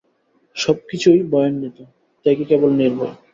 সব কিছুই ভয়ান্বিত, ত্যাগই কেবল নির্ভয়।